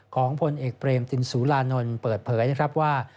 ของพลเอกเตรมตินสุรานนท์เปิดเผยว่า